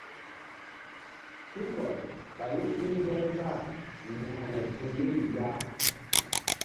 Tumbɔl ɓayu kéngerzah yȩkre gun yeri ya.